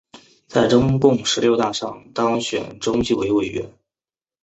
在中共十六大上当选中纪委委员。